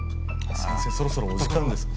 先生そろそろお時間です。